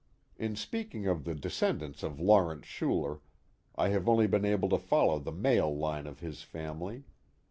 In speaking of the descendants of Lawrence Schuler, I have only been able to follow the male h'ne of his family.